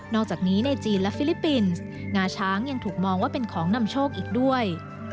อกจากนี้ในจีนและฟิลิปปินส์งาช้างยังถูกมองว่าเป็นของนำโชคอีกด้วย